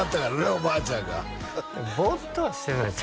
おばあちゃんがボーッとはしてないです